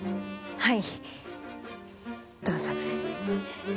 はい。